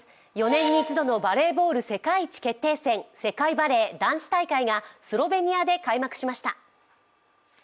４年に１度のバレーボール世界一決定戦、世界バレー男子大会がスロベニアで開幕しました。